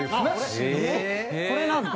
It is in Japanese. これなんだ。